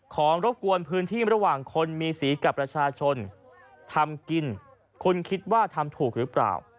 รบกวนพื้นที่ระหว่างคนมีสีกับประชาชนทำกินคุณคิดว่าทำถูกหรือเปล่า